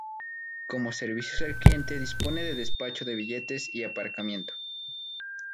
Como servicios al cliente dispone de despacho de billetes y aparcamiento.